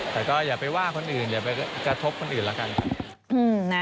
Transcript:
แต่ก็อย่าไปว่าคนอื่นอย่าไปกระทบคนอื่นแล้วกันครับ